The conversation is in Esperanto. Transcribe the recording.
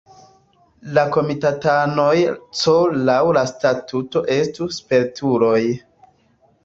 La komitatanoj C laŭ la statuto estu "spertuloj".